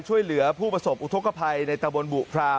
ช่วยเหลือผู้ประสบอุทธกภัยในตะบนบุพราว